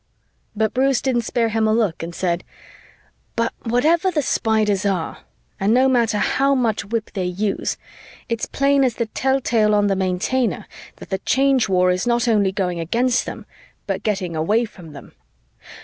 But Bruce didn't spare him a look and said, "But whatever the Spiders are and no matter how much whip they use, it's plain as the telltale on the Maintainer that the Change War is not only going against them, but getting away from them.